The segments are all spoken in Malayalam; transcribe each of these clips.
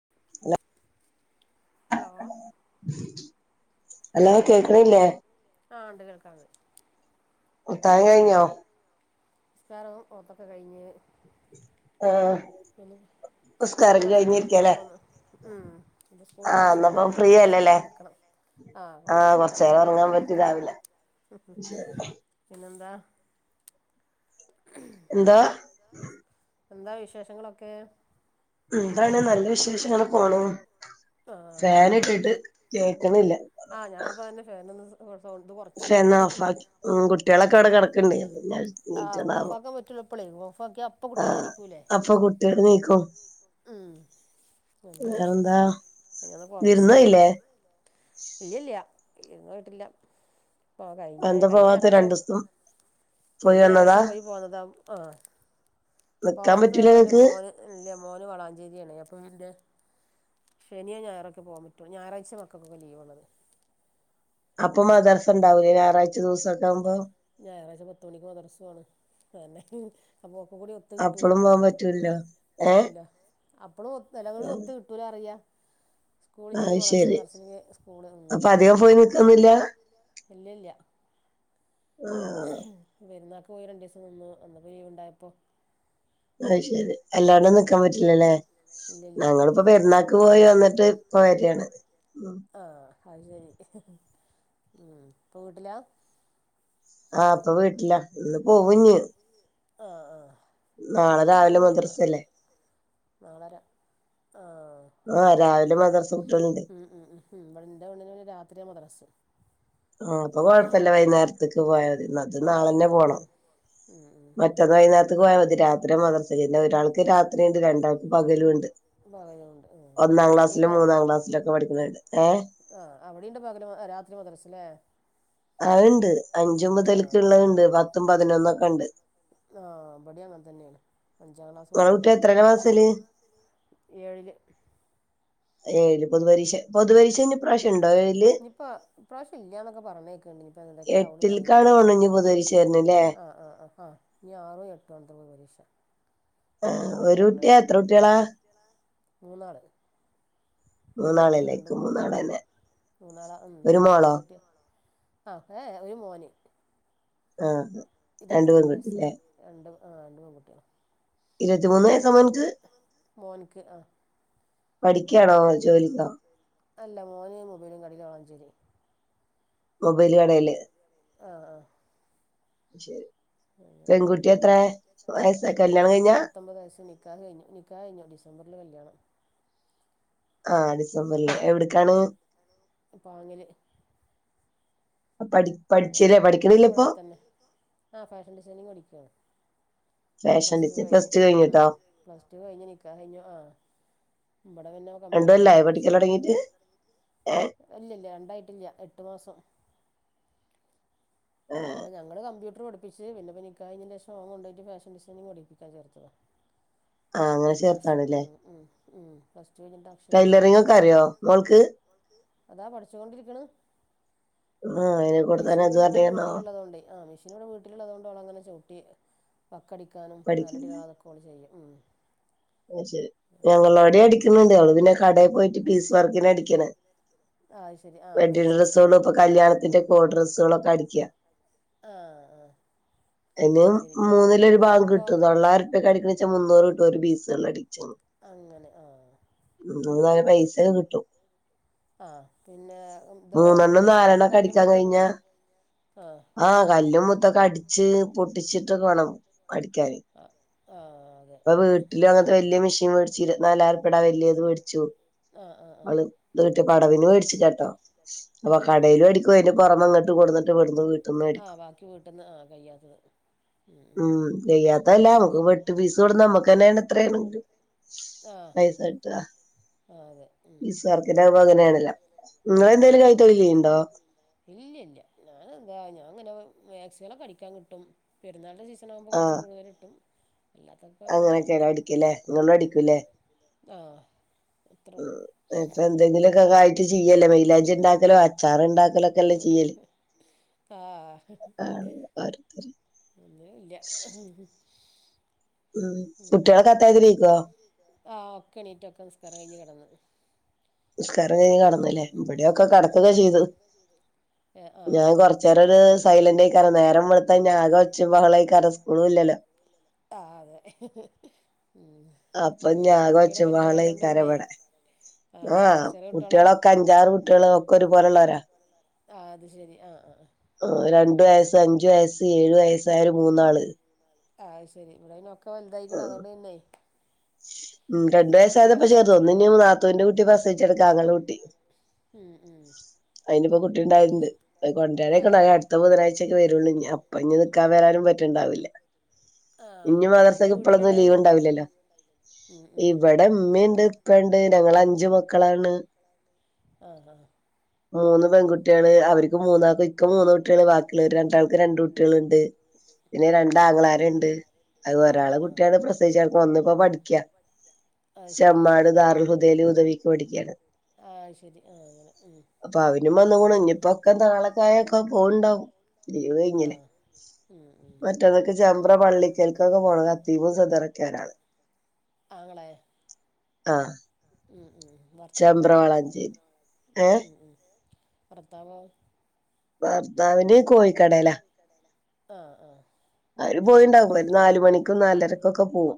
[unintelligible] ഹലോ ഹലോ കേക്കണില്ലേ ആ ഉണ്ട് കേൾക്കാന്ന് [unintelligible] കഴിഞ്ഞോ നിസ്കാരവും ഓത്തൊക്കെ കഴിഞ്ഞ് ആ [unintelligible] സ്കൂള് മദ്രസൊന്നുമില്ലല്ലോ അപ്പൊ ഉം സ്കൂൾ മദ്രസില്ല അപ്പൊ ഒന്ന് കൊറച്ച് നേരം കിടക്കണം ആ കൊറച്ച് നേരം ഉറങ്ങാൻ പറ്റി രാവിലെ പിന്നെന്താ എന്താ എന്താ വിശേഷങ്ങളൊക്കെ എന്താണ് നല്ല വിശേഷം അങ്ങനെ പോണു ഫാൻ ഇട്ടിട്ട് കേ ആഹ് ഞാനിപ്പന്നെ ഫാൻ ഫാൻ ഓഫാക്കി ഉം കുട്ടികളൊക്കെ അവിടെ കിടക്കണിണ്ട് [unintelligible] ആ അപ്പൊ കുട്ടികള് എണീക്കും ഉം വേറെന്താ വിരുന്ന് പോയില്ലേ ഇല്ലില്ലാ ഇന്ന് പോയിട്ടില്ലാ എന്താ പോവാത്തേ രണ്ടീസം കഴിഞ്ഞ ഞായറാഴ്ച പോയി പോന്നതാ ആ പോവാത്ത കാരണം മോനില്ലാ മോന് വളാഞ്ചേരിയാണ് അപ്പ ശനി ഞായറൊക്കെ പോവാൻ പറ്റോ ഞായറാഴ്ച മക്കൾക്കൊക്കെ ലീവൊള്ളത് അപ്പൊ മദ്രസൊണ്ടാവില്ലേ ഞായറാഴ്ച ദിവസോക്കെ ആകുമ്പോ ഞായറാഴ്ച പത്തുമണിക്ക് [inaudible] അപ്പൊ അപ്പളും പോകാൻ പറ്റൂലോ ഏ അപ്പോഴും [unintelligible] ഒത്ത് കിട്ടോലോ അറിയാം ആ ശരി അപ്പൊ അധികം പോയി നിക്കുന്നില്ലാ ഇല്ലില്ലാ പെരുന്നാക്ക് പോയി രണ്ടു ദീസം നിന്നു അന്ന് ഒഴിവുണ്ടായപ്പോ അത് ശരി അല്ലാണ്ട് നിക്കാൻ പറ്റില്ലല്ലേ ഞങ്ങിളിപ്പോ പെരുന്നാക്ക് പോയി വന്നിട്ട് ഇപ്പ വരിയാണ് അത് ശരി ഉം ഇപ്പൊ വീട്ടിലാ ആ ളപ്പൊ വീട്ടിലാ ഇന്ന് പോകും ഇനി ആ ആ നാളെ രാവിലെ മദ്രസീല്ലേ ആഹ് രാവിലെ മദ്രസ ഉം ഉം ഉം ഇവിടത്തെ [unintelligible] രാത്രിയാ മദ്രസ്സാ ആ അപ്പൊ കൊഴപ്പില്ലാ വൈകുന്നേരത്തേക്ക് പോയാ മതി ഞങ്ങക്ക് നാളെ തന്നെ പോണം മറ്റന്ന് വൈകുന്നേ പോയാ മതി രാത്രി മദ്രസ ഒരാൾക്ക് രാത്രി ഉണ്ട് രണ്ടാൾക്ക് പകലൂണ്ട് ഒന്നാം ക്ലാസ്സിലും മൂന്നാം ക്ലാസ്സിലും ഒക്കെ പഠിക്ക ആ അവിടെണ്ട് പകല് രാത്രി മദ്രസല്ലേ ആ ഉണ്ട് അഞ്ചുമ്പ് [unintelligible] ഉള്ളതിണ്ട് പത്തും പതിനൊന്നൊക്കെ ഉണ്ട് ആ ഇബടെ അങ്ങനെ തന്നെയാണ് അഞ്ചാം [inaudible] [inaudible] ഏഴില് ഏഴ് പൊതുപരീക്ഷ പൊതുപരീക്ഷിനി ഇപ്രാവശ്യം ഉണ്ടോ ഏഴില് ഈ പ്രാവശ്യമില്ലാ എന്നൊക്കെ പറഞ്ഞേക്കണ്ട് ഇനിപ്പൊ എന്തൊക്കെ ആവണേന്നറിയില്ലാ ആ ആ ആ ഇനി ആറോ എട്ടോ [unintelligible] പരീക്ഷ ആ ഒരു കുട്ടിയാ എത്ര കുട്ട്യേളാ മൂന്നാള് ഒരു മോനും രണ്ട് മോളും ഉം മൂന്നാളാ ഉം എന്തുട്ട്യ ആ ഏ ഏ ഒരു മോന് ആ രണ്ട് പെൺകുട്ടിലേ ആ രണ്ട് പെങ്കുട്ട്യേളാ ഇരുപത്തിമൂന്ന് വയസ്സാ മോന്ക്ക് പഠിക്കാണോ ജോലിക്കോ അല്ല മോന് മൊബൈലുംകടയിലാ വളാഞ്ചേരി മൊബൈല് കടേല് ആ ആ ശരി ഉ പെൺകുട്ടിക്ക് പത്തൊമ്പത് വയസ് നിക്കാഹ് കഴിഞ്ഞു നിക്കാഹ് കഴിഞ്ഞു [unintelligible] കല്യാണം ആ ഡിസംബറില് എവിടെക്കാണ് [unintelligible] ഞങ്ങക്ക് ഇവ്ടെ അട്ത്തെന്നെ തന്നെ ആ ഫാഷൻ ഡിസൈനിങ് പടിക്കുവാണ് പ്ലസ് ടു കഴിഞ്ഞ് ഉം പ്ലസ് ടു കഴിഞ്ഞ് നിക്കാഹ് കഴിഞ്ഞു ആ ഇവ്ടെ പിന്നെ കമ്പ്യൂട്ടറാ പഠിപ്പിച്ചത് ഇല്ല്യ ഇല്ല്യ രണ്ടായിട്ടില്ല്യ എട്ട് മാസം ഇവ്ടെ ഞങ്ങള് കമ്പ്യൂ ട്ടർ പഠിപ്പിച്ച് പിന്നെ ഇപ്പോ നിക്കാഹ് കഴിഞ്ഞേന്റേഷം ഓൻ കൊണ്ടോയിട്ട് ഫാഷൻ ഡിസൈനിങ് പഠിപ്പിക്കാൻ ചേർത്തതാ അക്ഷ ഉം ഉം ഉം പ്ലസ് ടു കഴിഞ്ഞിട്ട് അക്ഷയയിലായിരുന്നു അതാ പഠിച്ച് കൊണ്ടിരിക്ക്ണ് മിഷീന് പിന്നെ ഇബെടെ വീട്ട്ൽ ഇള്ളെതോണ്ടെയ് ആ മിഷീൻ ഇവെടെ വീട്ട്ൽ ഇള്ളതോണ്ട് ഓൾ അങ്ങനെ ചൗട്ടി അ ക്ക് അടിക്കാനും മേൽഅടി ആ അതൊക്കെ ഓൾ ചെയ്യും അയ് ശരി ഞങ്ങളോടിം അടിക്ക്ൺ ഇണ്ട് അത് പിന്നെ കടെ പോയിറ്റ് പീസ് വർക്കിനാ അടിക്ക്ണെ വെഡിങ്‌ ഡ്രെസ്സുകളും ഇപ്പം കല്യാണത്തിന്റെ ഒക്കെ ഓ ഡ്രെസ്സുകളൊക്കെ അടിക്കാ ആഹ് ആഹ് അയിന് മൂന്നിലൊര് ഭാഗം കിട്ടും തൊള്ളായിരം ഉർപ്യെക്കാ അട്ക്ക്ണെച്ചാ മൂന്നൂറ് കിട്ടും ഒര് പീസ് ഒന്ന് അടിച്ചെയ്ന് ഉം നല്ല പൈസൊക്കെ കിട്ടും ആഹ് പിന്നെ ഇതോ ഇപ്പം കല്ലും മുത്തും ആ കല്ലും മുത്തൊക്കെ അടിച്ച് പൊട്ടിച്ചിട്ട് ഒക്കെ വാണം അടിക്കാന് ഇപ്പ വീട്ട്ലും അങ്ങെൻത്തെ വെല്ല്യ മേഷീൻ വേട്ച്ചു ഇരുവെത്തിനാലായിരം റുപ്യെടെ ആ വെല്ല്യെത് വേട്ച്ചു അവള് ദ് കിട്ട്യപ്പോ അടവിന് വേടിച്ച്ക്കാ ട്ടോ അപൊ കടയിലേടിക്കും അയിന്റെ പുറമേങ്ങ ആ ബാക്കി വീട്ട്ന്ന് ആ കയ്യാത്തത് ഉം കയ്യാത്തല്ല നമുക്ക് വെട്ട് പീസ് കൊടു നമ്മുക്കെന്നേണിത്രേണ്ത് പൈസ കിട്ടാ ഇസ്ഹാക്കിനാവുമ്പൊ അങ്ങനേണല്ലോ ഇങ്ങളെന്തേലും കൈത്തൊഴിൽ ചെയ്യ്ണ്ടോ ഇല്ല്യ ഇല്ല്യ ഞാനെന്താ ഞാ ഇങ്ങനെ മാക്സ് ക്സേളൊക്കെ അടിക്കാൻ കിട്ടും പെരുന്നാൾന്റെ സീസണാകുമ്പോ കൊറച്ച് കൂടുതൽ കിട്ടും അല്ലാത്തൊപ്പെങ്ങനെ ഉം ആ ഹ് ഇപ്പൊന്തെങ്കിലൊക്കക്കായിട്ട് ചെയ്യല്ലേ മെയിലാഞ്ചി ണ്ടാക്കലോ അച്ചാറ് ണ്ടാ ക്കലൊക്കെ ചിയ്യല് ആ ഹ് ഒണൂല്ല്യാ ആ ഒക്കെണീറ്റ് ഒക്കെ നിസ്കാരം കയിഞ്ഞ് കെടന്നു നിസ്കാരം കയിഞ്ഞ് കെടന്ന്ലേ ഇവിടിയൊക്കെ കടക്കൊക്കെ ചെയ്തു എ ഞാൻ കൊറച്ചേരം ഒരു സൈലന്റായിക്കാരം നേരം വെളുത്താ ഇനി ആകെ ഒച്ചേം ബഹളായിക്കാരം സ്കൂളും ഇല്ലല്ലോ ആഹ് അതെ [unintelligible] അപ്പൊ ഞാൻ കൊച്ച വള കരവിടെ ആഹ് കുട്ടികളൊക്കെ അഞ്ചാറ് കുട്ടികൾ ഒക്കെ ഒരുപോലെയുള്ളവരാ ആ രണ്ട വയസ് അഞ്ചു വയസ്സ് ഏഴു വയസ്സായ രു മൂന്നാള് ആ ശരി ഇവിടെ അതിനൊക്കെ വലുതായിരിക്കണം അതുകൊണ്ട് പിന്നെ ഉം രണ്ട് വയസായതപ്പൊ ചെറുത് ഒന്നിനി നാത്തുവിന്റെ കുട്ടി പ്രസവിച്ചെടുക്കാം ആങ്ങളെടേ കുട്ടി ഉം ഉം അതിനിപ്പൊ കുട്ടി ഉണ്ടായിണ്ട് കൊണ്ടരി റിയിരിക്കണി അടുത്തുധനാഴ്ചയക്കെവരുള്ളൂ ഇപ്പൊ ഇനി നിൽിക്കാൻ വരാനും പറ്റണ്ടാവില്ല ഇനി മദർ സക്ക് ഇപ്പഴൊന്നും ലീവ് ഉണ്ടാവില്ലല്ലോ ഇവിടെ മ്മണ്ട് ഇപ്പണ്ട് ഞങ്ങള അഞ്ചു മക്കളാണ് ആഹ് ആഹ് മൂന്ന് പെൺകുട്ടികള് അവർക്ക് മൂന്നാൾക്കും ക്ക് മൂന്നു കുട്ടികള് ബാക്കിയുള്ള രണ്ടാൾ രണ്ട് കുട്ടികളുണ്ട് പിന്നെ രണ്ടാങ്ങളാരുണ്ട് അത് ഒരാള് കുട്ടിയാണ് പ്രസവിച്ചകെടക്കണേ ഒന്ന് പഠിക്ക ചമ്മാട് ദാറുൽ ഹുദേല് ഉദവിക്ക് പഠിക്കുകയാണ് അപ്പൊ അവനും വന്ന കൂണ് ഇനിപ്പോക്കെ താളക്കായൊക്കെ പോണ്ടാവും [unintelligible] മറ്റതൊക്കെ ചെമ്പ്ര പള്ളിക്കൽക്കൊക്കെ പോണ ഖതീബും സതറൊക്കെ ഒരാണ് ആങ്ങളെ ചെമ്പ്രവാളഞ്ചേരി ഏഹ് ഭർത്താവോ ഭർത്താവിന് കോയികടേല്ലാ ആഹ് ആഹ് ആവര് പോയിണ്ടാവും ഒരു നാല് മണിക്കും നാലരക്കൊക്കെ പോകും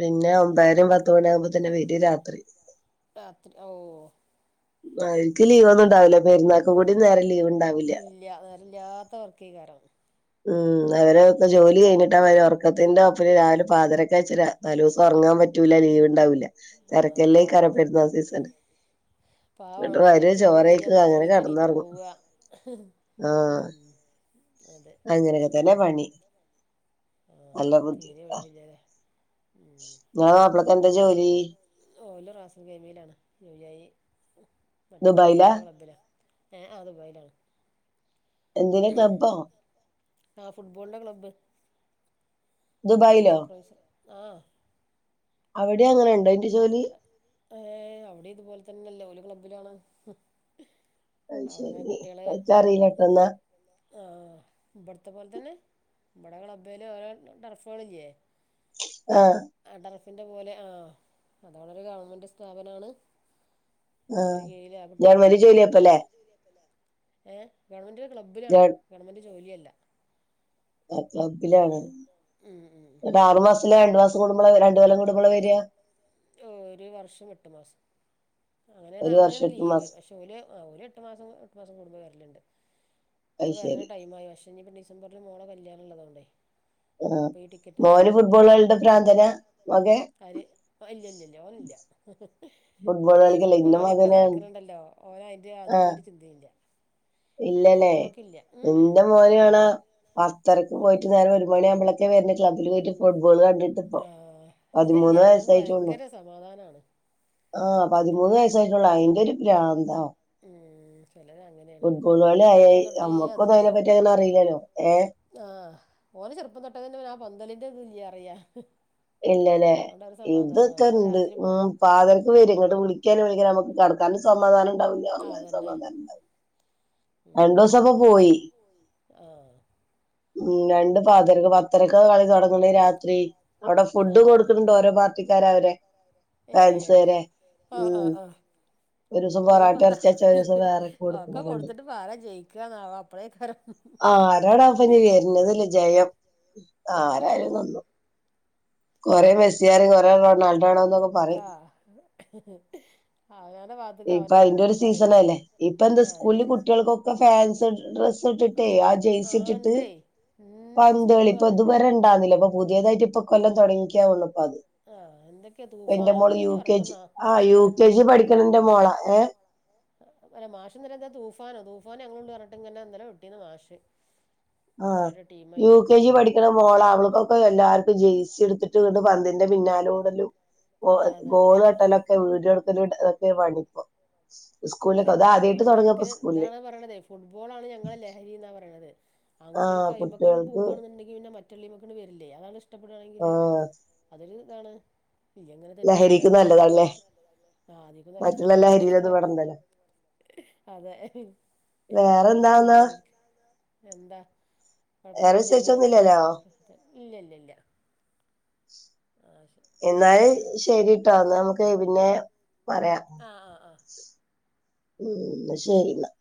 പിന്നെ ഒമ്പായിരം പത്ത്മണിയ ആകുമ്പോ തന്നെ വീട്ടി രാത്രി രാത്രി ഓ ആ ഇൻക്ക് ലീവ് ഒന്നും ഉണ്ടാവില്ല പെരുന്നാക്കും കൂടി നേരെ ലീവ് ഇല്ല നേരല്ലാത്ത വർക്കെയ്ക്കാരം ഉം അവരൊക്കെ ജോലി കഴിഞ്ഞിട്ടാ വര ഒർക്കത്തിന്റെ അപ്പഴും രാവിലെ പാതിരക്കയച്ച ര തലൂസം ഒറങ്ങാൻ പറ്റൂല ലീവ് ഉണ്ടാവുല്ല തരക്കല്ലേക്കാരം പെര്ന്നാൾ സീസണ് പാവവൾ പത്തരക്ക് വരും ചെയ്യാ നാലുമണിക്ക് എണീറ്റ് പോവാ ആഹ അതെ അങ്ങനൊയൊക്കെ തന്നെ പണി നല്ല ബുദ്ധിമുട്ടാ ളം ഓല് റാസൽകൈമേലാണ് [unintelligible] മറ്റേ ഫുട്ബോളിന്റെ ക്ലബ്ബിലാ ഏ അ ദുബൈലാണ് എന്തില് ക്ലബ്ബോ ആ ഫുട്ബോൾന്റെ ക്ലബ്ബ് അയില് സൂപ്രവൈസർ ആഹ് അവിടെ അങ്ങനെ ഉണ്ടോ ഇന്റി ഏ അവിടിം ഇതുപോല തന്നെല്ലേ ഓല് ക്ലബ്ബിലാണ് അയ് ശരി അയ്ച്ചറീലട്ടൊന്നാ ആഹ വ്ടത്തെ പോൽതന്നെ മ്മടെ ക്ലബ്ബില് ഓരോ ടർഫുകളില്ലേ ആഹ ന്റെ പോലെ ആ അതവളെരു ഗവണ്മെന്റ് സ്ഥാപനാണ് ആഹ ഗവൺമെന്റ് ജോലി അപ്പല്ലേ ഏ ഗവൺമെന്റ്ലെ ക്ലബ്ബിലാണ് ഗവൺമെന്റ് ജോലിയല്ല ആ ക്ലബ്ബിലാണ് ഒരു ആറുമാസം ല്ല രണ്ട് മാസം കുടുമ്പോള രണ്ടു കൊല്ലം കുടുമ്പോള വെരിയ ഒരു വർഷം എട്ടു മാസം അങ്ങനെയാണ് അങ്ങനെയാണ് ലീവ് പക്ഷെ ഓല് ഒരെട്ട് മാസം എട്ടു മാസം കുടുംബം വരലുണ്ട് ഇപ്പൊ വരണ ടൈമായി പക്ഷെ ഇനിയിപ്പൊ ഡിസംബറിൽ മോള കല്യാണള്ളതോണ്ട് ഹ് മോന് ഫുട്ബോൾ കളിന്റെ പ്രാന്തനാ മകെ ഇല്ലല്ലല്ല്യ ഓനില്ല ഇപ്പ ഈ ഫുട്ബോൾ കളിയൊക്കെ നടക്ക്ണ് ണ്ടല്ലോ ഓന അയിന്റെ യാതോരു ചിന്തയില്ല ഇല്ലല്ലേ ന്റെ മോന് കാണാ ആ ത്തരക്ക് പോയി്ട്ട് നേരം ഒരു മണിയാവ്മ്പോളൊക്കെ വരുന്ന ക്ലബിൽ പോയിട്ട് പോയിട്ട് ഫുഡ്‌ ബോള് കണ്ടിട്ട് പ്പൊ പതിമൂന്ന് വയസ്സായിട്ടൊള്ളു ആ പതിമൂന്ന് വയസ്സായിട്ടൊള്ളു അയിന്റെ ഒരു പ്രാന്താ ഉം ചിലര് അങ്ങനെ ഫുട്ബോളുകളെ ആയി നമ്മുക്കൊ അതിനെപ്പറ്റി അങ്ങനെ അറിയില്ലാലോ ഏഹ് ആഹ് ഓനെ ചെറുപ്പം തൊട്ടേ തന്നെ ആ പന്ത് കളിന്റെ ഇത് ഇല്ല പറിയാ ഇല്ലല്ലേ ഇതൊക്കെ ഉണ്ട് ഉം പാതിരക്ക് വരും ഇങ്ങോട്ട് വിളിക്കാനും വിളിക്കാന നമുക്ക് കടക്കാനും സമാധാനം ഉണ്ടാവൂലാ അങ്ങാനൻ സമാധാനം ഉണ്ടാവില്ല രണ്ട ദിവസപ്പൊ പോയി ഉ രണ്ട് പാതിര പത്തരക്ക് കളി തുടങ്ങണ രാത്രി അവിടെ ഫുഡും കൊടുക്കുന്നുണ്ട് ഓരോ പാർട്ടിക്കാര [unintelligible] ഫാൻസ് വരെ ഉം ഒരു ദിവസം പൊറാട്ട എറിച്ചി വെച്ചാ ഒരു ദിവസം വേറെക്ക കൊടുക്കടറുണ്ട് ക്കാര ജയിക്കാണാവോ അപ്പോളേയ്ക്കാരം ആ ആരായാലും നന്നു കൊറെ മെസ്സിയാർ കൊറെ റൊണാൾഡോ ആണോ എന്നൊക്കെ പറയും ഇപ്പ അതിന്റെ ഒരു സീസണ അല്ലേ ഇപ്പൊ എന്താ സ്കൂളിൽ കുട്ടിക ക്കൊക്കെ ഫാൻസ് ഡ്രെസ് ഇട്ടിട്ടേ ആ ജെയ്സി ഇട്ടിട്ട് പ പന്തളി ഇപ്പൊ ഇതുവരെ ഇണ്ടാവുന്നില്ല അപ്പൊ പുതിയതായിട്ട് ഇപ്പൊ കൊല്ലം തുടങ്ങിക്കാ ഇപ്പഅത് എന്റെ മോള് യു കെ ജി ആ യു കെ ജി പഠിക്കണ എന്റെ മോളാ ഏഹ് അല്ല മാഷ്ന്ന എന്താ തൂഫാനോ തൂഫാന അങനെ കൊണ്ട് പറഞ്ഞിട്ട് ഇങ്ങനെ ഇന്നലെ വിട്ടീന്ന് മാഷ് ആ യു കെ ജി പഠിക്കണ മോള അവൾക്കൊക്കെ എല്ലാർക്കും ജേയ്സി എടുത്തിട്ട് പന്തിന്റെ പിന്നാലെ ഓടല്ലും ഗോള് കെട്ടലൊക്കെ വീഡിയോ എടുക്കൊക്കെ പണി അലട്ടാ ഓ ഒരു കണക്കിന് എന്താണ് പറയണത് ഫുട്ബോൾ ആണ് ഞങ്ങള ലഹരി എന്നാ പറയണത് ആൺകുട്ടികൾ അയ്മ്മക്ക് പോവാണുണ്ടങ്കിൽ പിന്നെ മറ്റുള്ളീമ്മക്ക് വരില്ലേ അതാണ് ഇഷ് ഇഷ്ടപ്പെടുകയാണെങ്കില് അതൊരു ഇതാണ് ന എങ്ങനെ തെണ്ടി എടുക്കണെങ്കി തന്നെ മറ്റ ആ ആദ്യക്കും നല്ല അതന്നെ അതെ ഉം ച്ചെലർക്ക് എന്താ കൊഴപ്പൊന്നില്ല അങ്ങനെ പോണ് ഇല്ലില്ലില്ല. എന്നാല് ശരിട്ടോ ന്നാ നമുക്ക് പിന്നെ പറയാം ഉം ശരീന്നാ